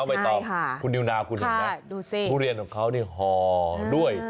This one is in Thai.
ใช่ค่ะไปต่อคุณนิวนาคุณหนึ่งนะค่ะดูสิทุเรียนของเขานี่ห่อด้วย